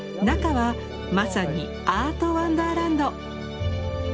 中はまさにアートワンダーランド！